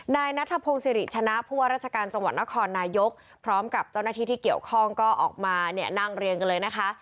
นายนัทพงศิริชนะผู้ว่าราชการจังหวัดนครนายกพร้อมกับเจ้าหน้าที่ที่เกี่ยวข้องก็ออกมาเนี่ยนั่งเรียงกันเลยนะคะ